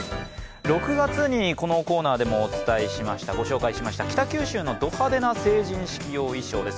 ６月にこのコーナーでもご紹介しました北九州のド派手な成人式用衣装です。